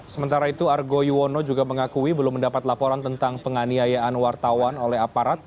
sementara itu argo yuwono juga mengakui belum mendapat laporan tentang penganiayaan wartawan oleh aparat